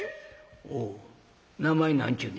「おう名前何ちゅうねや？